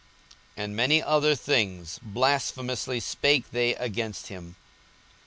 42:022:065 And many other things blasphemously spake they against him.